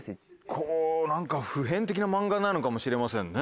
こう何か不変的な漫画なのかもしれませんね。